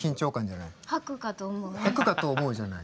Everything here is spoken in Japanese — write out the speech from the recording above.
吐くかと思うじゃない。